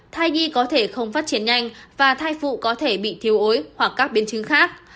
thai nhi có thể không phát triển nhanh và thai phụ có thể bị thiếu ối hoặc các biến chứng khác